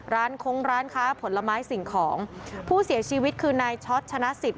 คงร้านค้าผลไม้สิ่งของผู้เสียชีวิตคือนายช็อตชนะสิทธ